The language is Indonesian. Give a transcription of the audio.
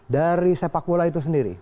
dari sepak bola itu sendiri